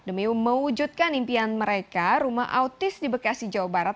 demi mewujudkan impian mereka rumah autis di bekasi jawa barat